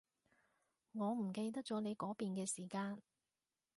我唔記得咗你嗰邊嘅時間